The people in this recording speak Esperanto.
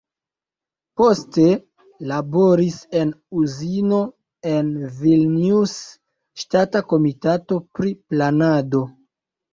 Poste laboris en uzino en Vilnius, ŝtata komitato pri planado.